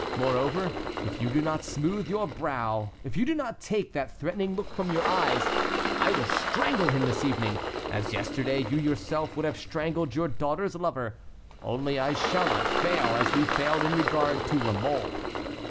Moreover, if you do not smooth your brow, if you do not take that threatening look from your eyes, I will strangle him this evening, as yesterday you yourself would have strangled your daughter's lover. Only I shall not fail, as we failed in regard to La Mole."